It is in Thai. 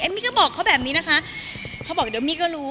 เอ็มมี่ก็บอกเขาแบบนี้นะคะเขาบอกว่าเดี๋ยวเอ็มมี่ก็รู้